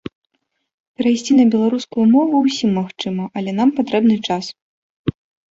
Перайсці на беларускую мову ўсім магчыма, але нам патрэбны час.